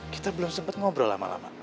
kita belum sempat ngobrol lama lama